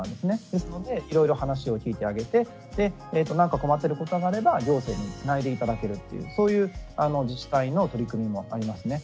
ですのでいろいろ話を聞いてあげてなんか困ってることがあれば行政につないで頂けるっていうそういう自治体の取り組みもありますね。